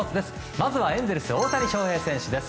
まずはエンゼルス大谷翔平選手です。